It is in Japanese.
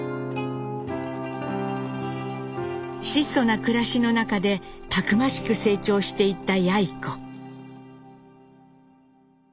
質素な暮らしの中でたくましく成長していったやい子。